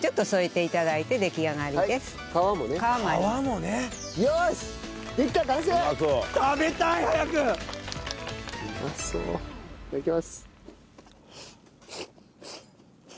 いただきます。